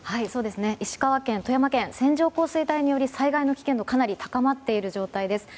石川県、富山県線状降水帯により災害の危険度がかなり高まっている状態です。